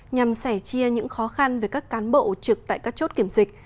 nhằm sẻ chia những khó khăn về các cán bộ trực tại các chốt kiểm dịch